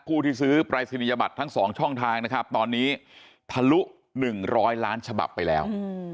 ผู้ที่ซื้อปรายศนียบัตรทั้ง๒ช่องทางนะครับตอนนี้ทะลุ๑๐๐ล้านฉบับไปแล้ว